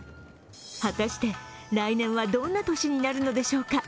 果たして、来年はどんな年になるのでしょうか。